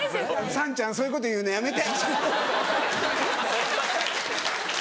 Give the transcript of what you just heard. さんちゃんそういうこと言うのやめて！